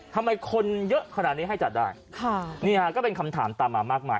ทำไมคนเยอะขนาดนี้ให้จัดได้ค่ะนี่ฮะก็เป็นคำถามตามมามากมาย